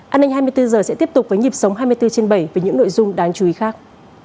an ninh hai mươi bốn h sẽ tiếp tục với nhịp sống hai mươi bốn trên bảy với những nội dung đáng chú ý khác